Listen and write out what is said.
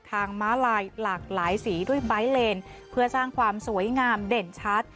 ม้าลายหลากหลายสีด้วยไบท์เลนเพื่อสร้างความสวยงามเด่นชัด